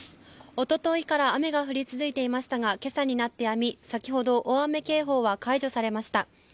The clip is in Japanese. おとといから雨が降り続いていましたが、けさになってやみ、先ほど、大雨警報は解除されました。